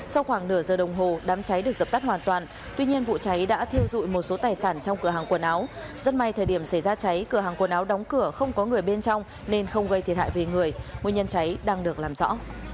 sau khoảng nửa giờ đồng hồ đám cháy được dập tắt hoàn toàn tuy nhiên vụ cháy đã thiêu dụi một số tài sản trong cửa hàng quần áo rất may thời điểm xảy ra cháy cửa hàng quần áo đóng cửa không có người bên trong nên không gây thiệt hại về người nguyên nhân cháy đang được làm rõ